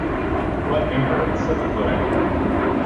‘What impertinence!’ said the pudding.